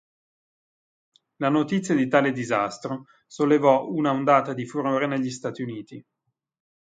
La notizia di tale disastro sollevò una ondata di furore negli Stati Uniti.